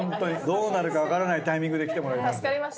どうなるか分からないタイミングで来てもらえたんで。